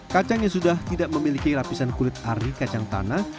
kacang yang sudah tidak memiliki lapisan kulit ari kacang tanah